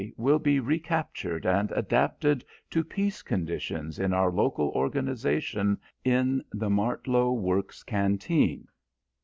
will be recaptured and adapted to peace conditions in our local organisation in the Martlow Works Canteen.